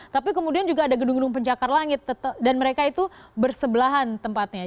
tapi kemudian juga ada gedung gedung pencakar langit dan mereka itu bersebelahan tempatnya